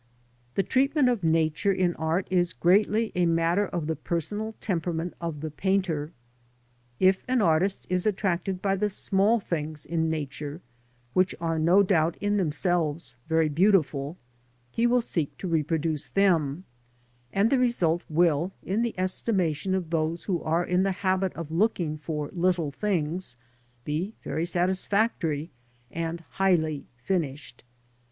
The treatment of Nature in art is greatly a matter of the personal temperament of the painter. If an artist is attracted by the small things in Nature, which are no doubt in themselves very beautiful, he will seek to reproduce them, and the result will, in the estimation of those who are in the habit of looking for little things, be very satisfactory and highly finished.